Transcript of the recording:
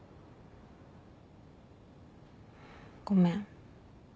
ごめん。